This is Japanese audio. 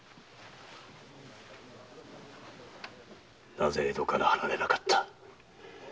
なぜ江戸から離れなかった？